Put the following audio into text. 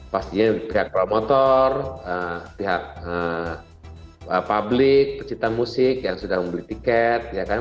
pastinya pihak promotor pihak publik pecinta musik yang sudah membeli tiket